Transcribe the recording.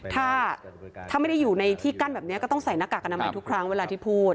ถ้าไม่ได้อยู่ในที่กั้นแบบนี้ก็ต้องใส่หน้ากากอนามัยทุกครั้งเวลาที่พูด